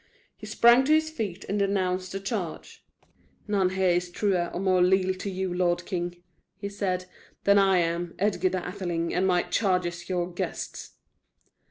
He sprang to his feet and denounced the charge: "None here is truer or more leal to you, lord king," he said, "than am I, Edgar the Atheling, and my charges, your guests."